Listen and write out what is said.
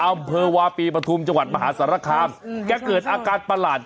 อำเภอวาปีปฐุมจังหวัดมหาสารคามแกเกิดอาการประหลาด